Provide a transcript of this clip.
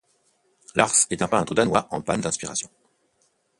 Lars est un peintre danois en panne d'inspiration.